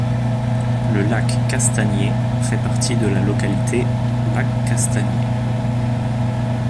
Le lac Castagnier fait partie de la localité Lac-Castagnier.